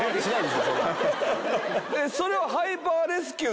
それは。